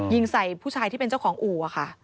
ยิงใส่ผู้ชายที่เป็นเจ้าของอู่ค่ะ